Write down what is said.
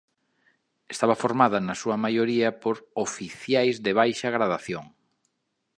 Estaba formada na súa maioría por oficiais de baixa gradación.